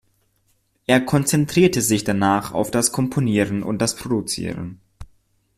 Er konzentrierte sich danach auf das Komponieren und das Produzieren.